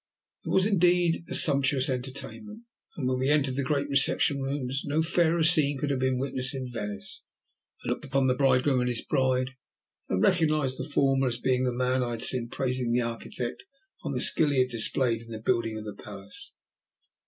It was indeed a sumptuous entertainment, and when we entered the great reception rooms, no fairer scene could have been witnessed in Venice. I looked upon the bridegroom and his bride, and recognized the former as being the man I had seen praising the architect on the skill he had displayed in the building of the palace.